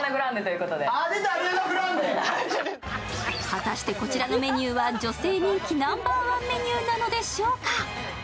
果たして、こちらのメニューは女性人気ナンバーワンメニューなんでしょうか？